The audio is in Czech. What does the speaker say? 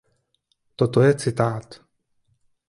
Toto je citát.